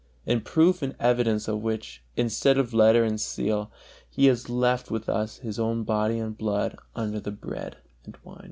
In proof and evidence of which, instead of letter and seal, He has left with us His own Body and Blood under the bread and wine.